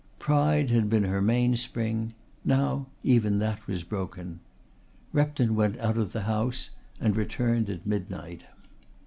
Pride had been her mainspring; now even that was broken. Repton went out of the house and returned at midnight.